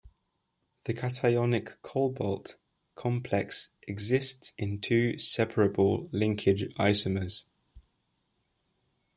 The cationic cobalt complex exists in two separable linkage isomers.